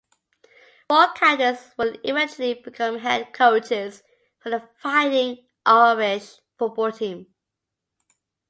Four captains would eventually become head coaches for the Fighting Irish football team.